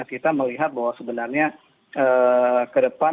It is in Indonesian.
kita melihat bahwa sebenarnya ke depan